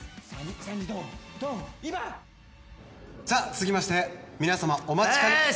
さあ続きまして皆様お待ちかね。